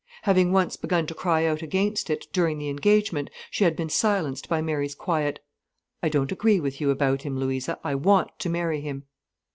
Having once begun to cry out against it, during the engagement, she had been silenced by Mary's quiet: "I don't agree with you about him, Louisa, I want to marry him."